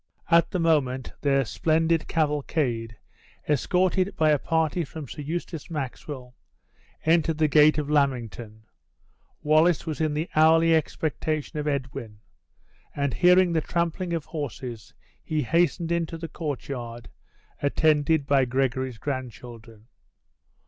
At the moment their splendid cavalcade, escorted by a party from Sir Eustace Maxwell, entered the gate of Lammington, Wallace was in the hourly expectation of Edwin, and hearing the trampling of horses, he hastened into the courtyard, attended by Gregory's grandchildren.